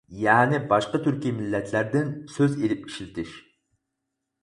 يەنى باشقا تۈركىي مىللەتلەردىن سۆز ئېلىپ ئىشلىتىش.